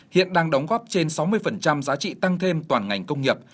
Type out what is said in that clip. hiện đang đóng góp trên sáu mươi giá trị tăng thêm toàn ngành công nghiệp